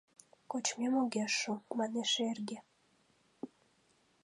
— Кочмем огеш шу, — манеш эрге.